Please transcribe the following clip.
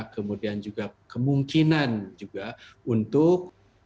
kemudian juga kemungkinan juga untuk